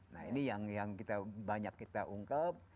nah ini yang kita banyak kita ungkap